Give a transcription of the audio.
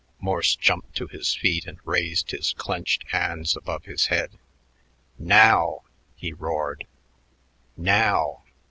Morse jumped to his feet and raised his clenched hands above his head. "Now!" he roared. "Now!